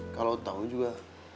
kalau tau juga